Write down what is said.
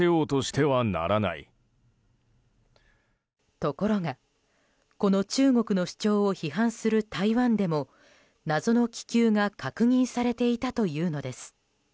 ところが、この中国の主張を批判する台湾でも謎の気球が確認されていたというのです。